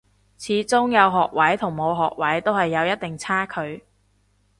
始終有學位同冇學位都係有一定差距